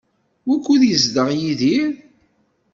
Wukud yezdeɣ Yidir?